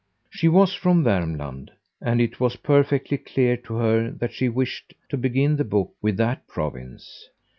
She was from Vermland, and it was perfectly clear to her that she wished to begin the book with that province.